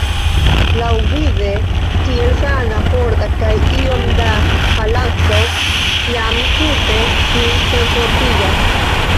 Laŭvide tiel sana, forta, kaj iom da haladzo jam tute ŝin senfortigas!